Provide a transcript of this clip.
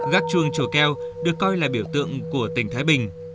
gác chuông chùa keo được coi là biểu tượng của tỉnh thái bình